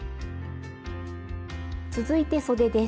続いてそでです。